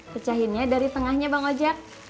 pecahinnya dari tengahnya bang ojek